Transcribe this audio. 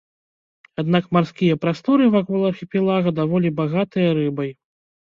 Аднак марскія прасторы вакол архіпелага даволі багатыя рыбай.